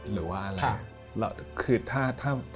คือถ้า